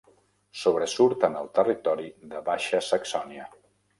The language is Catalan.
Sobresurt en el territori de Baixa Saxònia.